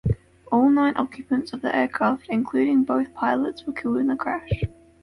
All nine occupants of the aircraft, including both pilots, were killed in the crash.